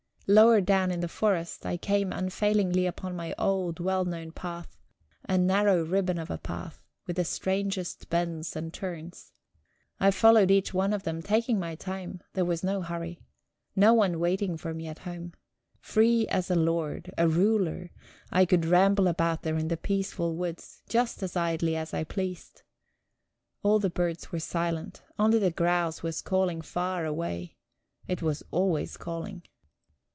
Lower down in the forest, I came unfailingly upon my old, well known path, a narrow ribbon of a path, with the strangest bends and turns. I followed each one of them, taking my time there was no hurry. No one waiting for me at home. Free as a lord, a ruler, I could ramble about there in the peaceful woods, just as idly as I pleased. All the birds were silent; only the grouse was calling far away it was always calling.